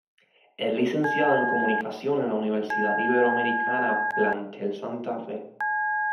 Es Licenciada en Comunicación en la Universidad Iberoamericana Plantel Santa Fe.